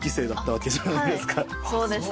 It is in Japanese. そうです